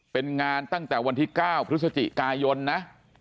เป็นงานตั้งแต่วันที่๙พฤศจิกายนนะ